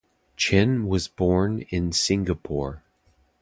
Chen was born in Singapore.